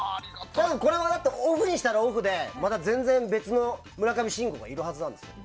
これはオフにしたらオフでまた全然別の村上信五がいるはずなんですよ。